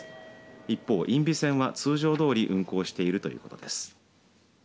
一方、因美線は通常通り運行しているということです。